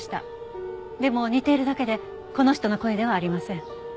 でも似ているだけでこの人の声ではありません。